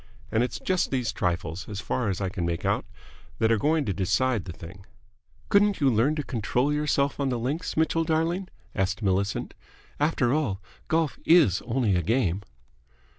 And it's just these trifles, as far as I can make out, that are going to decide the thing." "Couldn't you learn to control yourself on the links, Mitchell, darling?" asked Millicent. "After all, golf is only a game!"